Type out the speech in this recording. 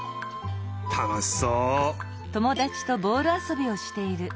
たのしそう！